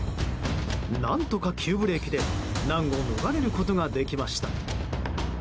何とか急ブレーキで難を逃れることができました。